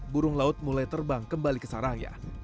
burung laut mulai terbang kembali ke sarangya